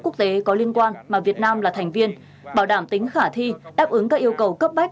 quốc tế có liên quan mà việt nam là thành viên bảo đảm tính khả thi đáp ứng các yêu cầu cấp bách